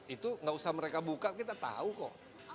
itu nggak usah mereka buka kita tahu kok